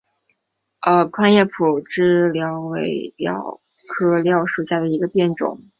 宽叶匐枝蓼为蓼科蓼属下的一个变种。